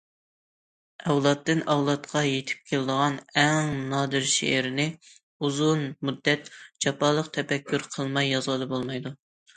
ئەۋلادتىن- ئەۋلادقا يېتىپ كېلىدىغان ئەڭ نادىر شېئىرنى ئۇزۇن مۇددەت جاپالىق تەپەككۇر قىلماي يازغىلى بولمايدۇ.